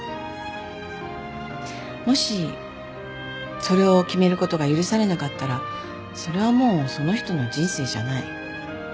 もしそれを決めることが許されなかったらそれはもうその人の人生じゃない。